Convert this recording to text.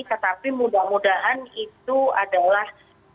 tetapi mudah mudahan itu adalah